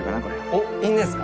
おっいいんですか。